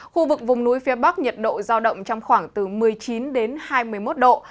khu vực vùng núi phía bắc nhiệt độ giao động trong khoảng từ một mươi chín đến hai mươi một độ